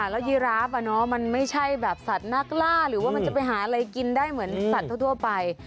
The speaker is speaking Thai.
แล้วยีราฟมันไม่ใช่แบบสัตว์นักล่าหรือว่ามันจะไปหาอะไรกินได้เหมือนสัตว์ทั่วไป